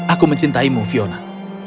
aku mencintaimu fiona